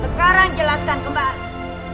sekarang jelaskan kembali